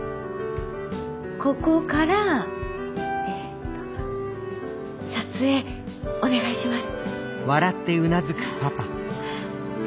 ここからえっと撮影お願いします。